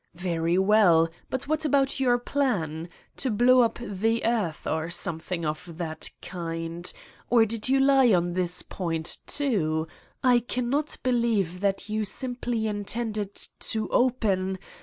Very well, but what about your plan: to blow up the earth or some thing of that kind? Or did you lie on this point, too? I cannot believe that you simply intend to open